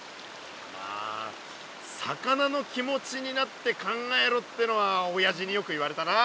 まあ魚の気持ちになって考えろってのはおやじによく言われたな。